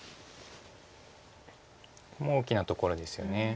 ここも大きなところですよね。